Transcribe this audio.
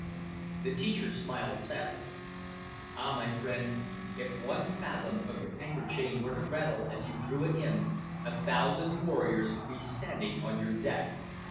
The teacher smiled sadly. "Ah, my friend, if one fathom of your anchor chain were to rattle as you drew it in, a thousand warriors would be standing on your deck!